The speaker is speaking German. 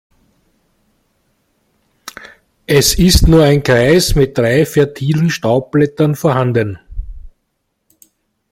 Es ist nur ein Kreis mit drei fertilen Staubblättern vorhanden.